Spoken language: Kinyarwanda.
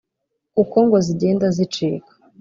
kuko ngo zigenda zicika